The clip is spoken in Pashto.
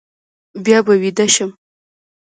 بیا به ویده شم.